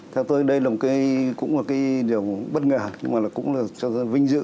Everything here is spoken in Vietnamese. theo tôi đây là một điều bất ngờ nhưng cũng là vinh dự